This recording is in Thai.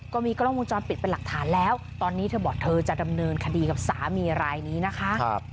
ก็มีกล้องวงจรปิดเป็นหลักฐานแล้วตอนนี้เธอบอกเธอจะดำเนินคดีกับสามีรายนี้นะคะ